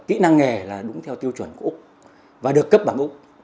kỹ năng nghề là đúng theo tiêu chuẩn của úc và được cấp bằng úc